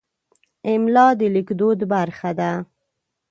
املا د لیکدود برخه ده.